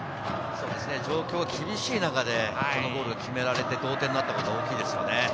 状況が厳しい中で、ゴールを決められて、同点になったことは大きいですね。